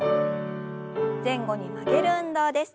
前後に曲げる運動です。